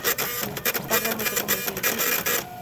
¿Están realmente convencidos diso?